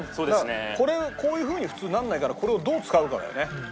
これこういう風に普通ならないからこれをどう使うかだよね。